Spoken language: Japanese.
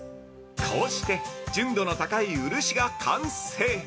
◆こうして純度の高い漆が完成。